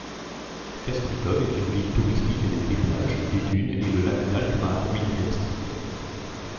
Castricum est une ville touristique avec des plages, des dunes et le lac d'Alkmaar-Uitgeest.